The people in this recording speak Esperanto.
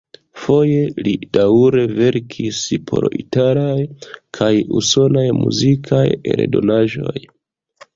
Foje li daŭre verkis por italaj kaj usonaj muzikaj eldonaĵoj.